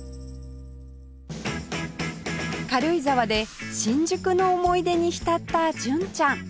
軽井沢で新宿の思い出に浸った純ちゃん